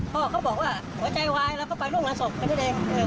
พ่อเขาบอกว่าหัวใจวายเราก็ไปร่วงหลายศพกันด้วยเนี่ย